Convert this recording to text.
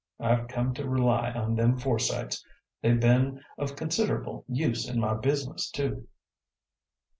I've come to rely on them foresights; they've been of consider'ble use in my business, too."